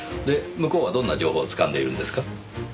で向こうはどんな情報をつかんでいるんですか？